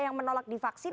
yang menolak divaksin